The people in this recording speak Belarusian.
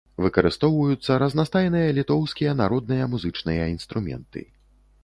Выкарыстоўваюцца разнастайныя літоўскія народныя музычныя інструменты.